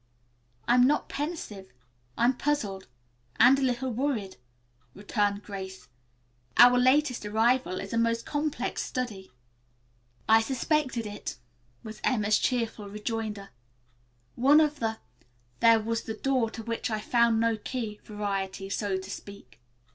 "I'm not pensive. I'm puzzled, and a little worried," returned Grace. "Our latest arrival is a most complex study." "I suspected it," was Emma's cheerful rejoinder. "One of the 'There was the Door to which I found no Key' variety, so to speak."